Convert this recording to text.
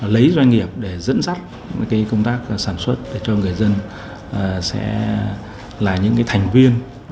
lấy doanh nghiệp để dẫn dắt công tác sản xuất cho người dân sẽ là những thành viên